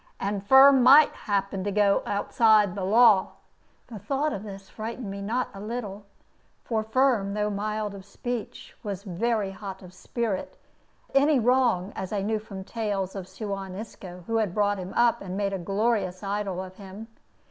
And Firm might happen to go outside the law." The thought of this frightened me not a little; for Firm, though mild of speech, was very hot of spirit at any wrong, as I knew from tales of Suan Isco, who had brought him up and made a glorious idol of him.